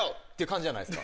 じゃないですか・